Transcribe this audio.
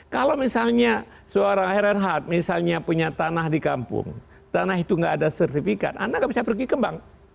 kalau misalnya suara heran hard misalnya punya tanah di kampung tanah itu nggak ada sertifikat anda nggak bisa pergi ke bank